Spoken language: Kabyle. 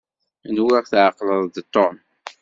Nwiɣ tɛeqleḍ-d Tom.